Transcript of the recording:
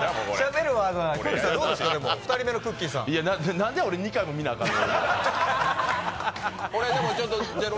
なんで俺、２回も見ないとあかんの？